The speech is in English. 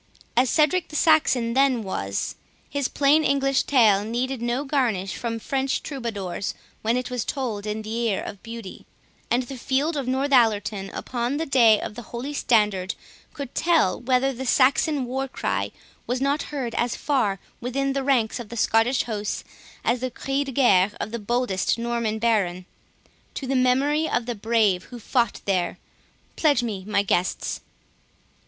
As Cedric the Saxon then was, his plain English tale needed no garnish from French troubadours, when it was told in the ear of beauty; and the field of Northallerton, upon the day of the Holy Standard, could tell whether the Saxon war cry was not heard as far within the ranks of the Scottish host as the 'cri de guerre' of the boldest Norman baron. To the memory of the brave who fought there!—Pledge me, my guests."